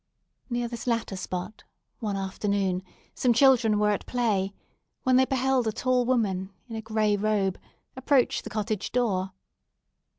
Near this latter spot, one afternoon some children were at play, when they beheld a tall woman in a gray robe approach the cottage door.